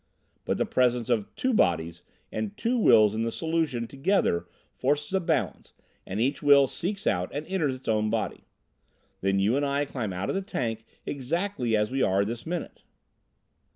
But the presence of two bodies and two wills in the solution together forces a balance, and each will seeks out and enters its own body. Then you and I climb out of the tank exactly as we are this minute."